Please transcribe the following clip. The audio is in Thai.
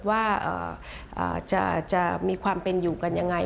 ว่ามีความเป็นอยู่กันอย่างไร